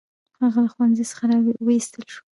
هغه له ښوونځي څخه وایستل شو.